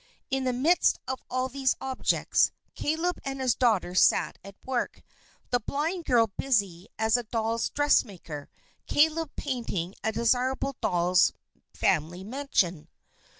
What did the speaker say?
In the midst of all these objects, Caleb and his daughter sat at work; the blind girl busy as a doll's dressmaker; Caleb painting a desirable doll's family mansion.